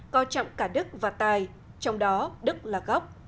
co trọng cả đức và tài trong đó đức là gốc